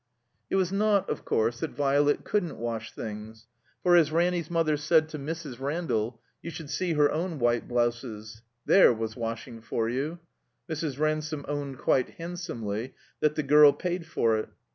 It was not, of course, that Violet couldn't wash things. For, as Ranny's mother said to Mrs. Randall, You should see her own white blotises. There was washing for you! Mrs. Ransome owned quite handsomely that the girl "paid for it."